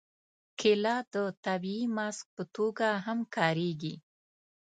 کېله د طبیعي ماسک په توګه هم کارېږي.